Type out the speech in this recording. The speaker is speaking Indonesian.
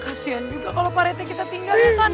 kasian juga kalau pak rete kita tinggal ya kan